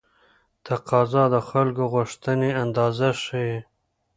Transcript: تقاضا د خلکو غوښتنې اندازه ښيي.